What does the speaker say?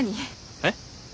えっ。